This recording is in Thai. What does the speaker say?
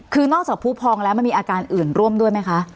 คือนอกจากผู้พองแล้วมันมีอาการอื่นร่วมด้วยไหมคะ